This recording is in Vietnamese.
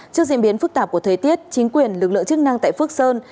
trước diễn biến phức tạp của thời tiết chính quyền lực lượng chức năng tại phước sơn